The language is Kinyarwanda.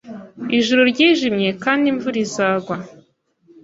Ijuru ryijimye kandi imvura izagwa.